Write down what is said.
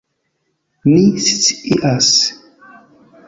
Ni scias!